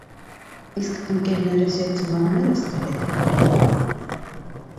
Իսկ ընկերներս և ծնողներս, գրեթե երբեք։